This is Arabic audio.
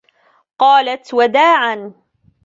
قالت وداعا.